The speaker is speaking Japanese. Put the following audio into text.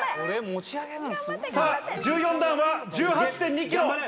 さあ、１４段は１８．２キロ。